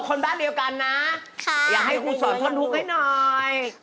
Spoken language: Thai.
คุณบ้านเดียวกันแค่มองตากันก็เข้าใจอยู่